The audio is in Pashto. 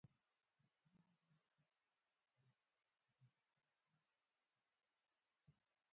د کلیزو منظره د افغانستان په اوږده تاریخ کې ذکر شوی دی.